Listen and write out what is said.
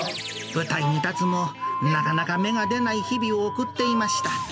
舞台に立つのもなかなか芽が出ない日々を送っていました。